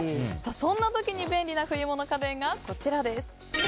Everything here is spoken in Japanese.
そんな時に便利な冬物家電がこちらです。